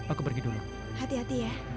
aku pergi dulu hati hati ya